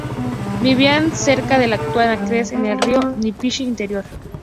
Vivían cerca del actual Natchez, en el río Misisipi inferior.